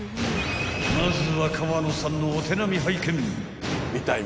［まずは川野さんのお手並み拝見］